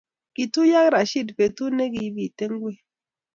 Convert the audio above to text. kituyo ak Rashid betut nekipitei ngwek